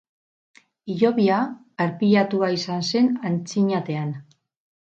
Hilobia, arpilatua izan zen antzinatean.